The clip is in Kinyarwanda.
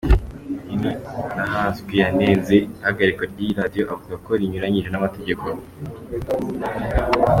Nininahazwe yanenze ihagarikwa ry’iyo Radiyo avuga ko rinyuranije n’amategeko.